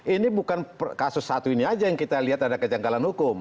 ini bukan kasus satu ini aja yang kita lihat ada kejanggalan hukum